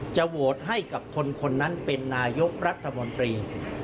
โหวตให้กับคนคนนั้นเป็นนายกรัฐมนตรี